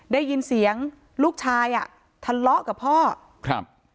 ได้ยินเสียงลูกชายอ่ะทะเลาะกับพ่อครับ